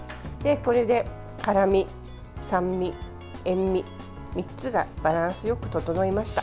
これで辛み、酸味、塩み、３つがバランスよく整いました。